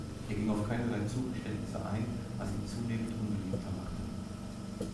Er ging auf keinerlei Zugeständnisse ein, was ihn zunehmend unbeliebter machte.